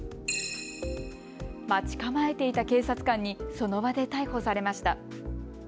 待ち構えていた警察官にその場で逮捕されました。